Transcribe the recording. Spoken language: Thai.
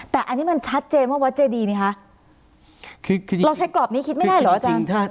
แต่อันนี้มันชัดเจนว่าวัดเจดีนี่คะเราใช้กรอบนี้คิดไม่ได้เหรออาจารย์